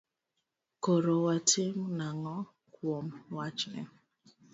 Koro watim nang'o kuom wachni?